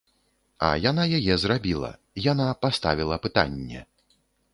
А яна яе зрабіла, яна паставіла пытанне.